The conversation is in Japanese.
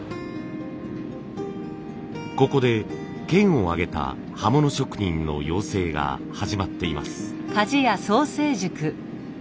ここで県を挙げた刃物職人の養成が始まっています。